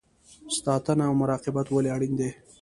ساتنه او مراقبت ولې اړین دی؟